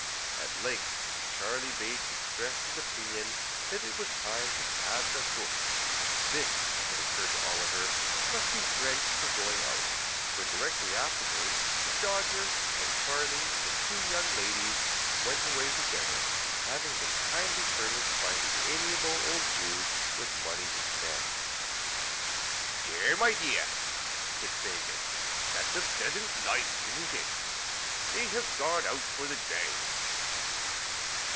At length, Charley Bates expressed his opinion that it was time to pad the hoof. This, it occurred to Oliver, must be French for going out; for directly afterwards, the Dodger, and Charley, and the two young ladies, went away together, having been kindly furnished by the amiable old Jew with money to spend. "There, my dear," said Fagin. "That's a pleasant life, isn't it? They have gone out for the day."